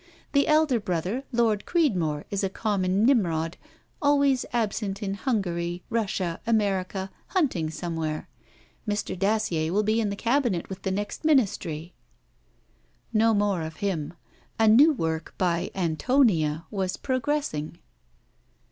The elder brother, Lord Creedmore, is a common Nimrod, always absent in Hungary, Russia, America, hunting somewhere. Mr. Dacier will be in the Cabinet with the next Ministry.' No more of him. A new work by ANTONIA was progressing.